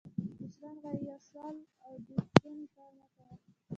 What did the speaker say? مشران وایي: یو سوال او د کونې کار مه کوه.